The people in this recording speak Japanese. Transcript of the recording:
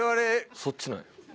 そっちなんや。